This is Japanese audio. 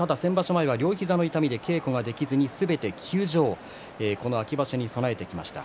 前は両膝の痛みで稽古ができずに、すべて休場秋場所に備えてきました。